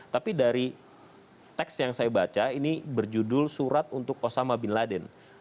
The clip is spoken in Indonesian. tapi dari teks yang saya baca ini berjudul surat untuk osama bin laden